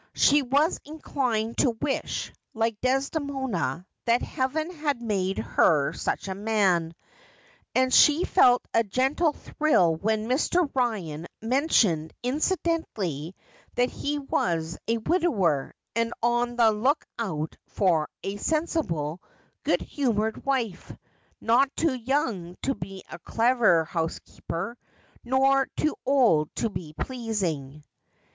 She was inclined to wish, like Desdemona, that Heaven had made her such a man ; and she felt a gentle thrill when Mr. Eyan men tioned incidentally that he was a widower, and on the look out for a sensible, good humoured wife, not too young to be a clever housekeeper, nor too old to be pleasing.